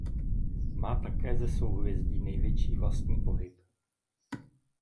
Má také ze souhvězdí největší vlastní pohyb.